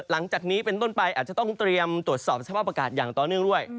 หลังจากนี้เป็นต้นไปอาจจะต้องเตรียมตรวจสอบสภาพอากาศอย่างต่อเนื่องด้วย